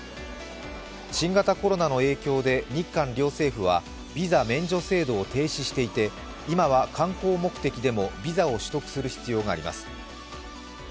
新型コロナの影響で日韓両政府はビザ免除制度を停止していて、今は、観光目的でもビザを取得する必要があります。